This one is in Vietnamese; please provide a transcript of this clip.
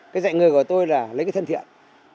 cái dạy người của tôi là lấy cái thân thiện